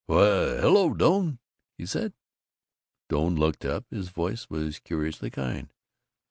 "Why, hello, Doane," he said. Doane looked up. His voice was curiously kind.